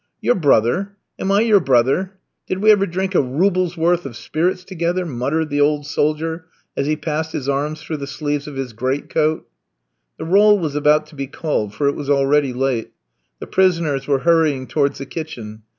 "Your brother! Am I your brother? Did we ever drink a roublesworth of spirits together?" muttered the old soldier as he passed his arms through the sleeves of his great coat. The roll was about to be called, for it was already late. The prisoners were hurrying towards the kitchen.